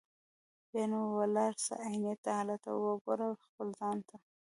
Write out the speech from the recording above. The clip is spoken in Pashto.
بیا نو ولاړ سه آیینې ته هلته وګوره خپل ځان ته